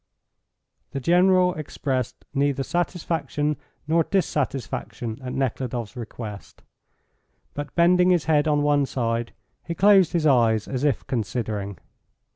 The General expressed neither satisfaction nor dissatisfaction at Nekhludoff's request, but bending his head on one side he closed his eyes as if considering.